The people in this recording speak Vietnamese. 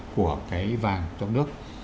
của cái vàng trong nước